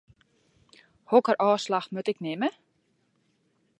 Hokker ôfslach moat ik nimme?